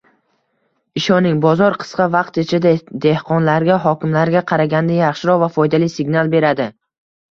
Ishoning, bozor qisqa vaqt ichida dehqonlarga hokimlarga qaraganda yaxshiroq va foydali signal beradi